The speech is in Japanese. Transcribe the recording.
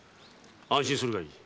安心するがいい。